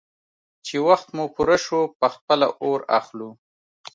_چې وخت مو پوره شو، په خپله اور اخلو.